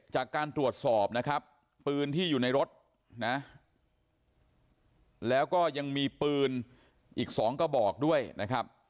จากการตรวจสอบนะครับปืนที่อยู่ในรถนะแล้วก็ยังมีปืนอีก๒กระบอกด้วยนะครับ